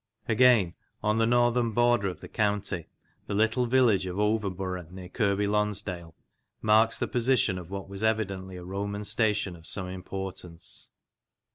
Again, on the northern border of the county the little village of Overborough, near Kirkby Lonsdale, marks the position of what was evidently a Roman station of some importance.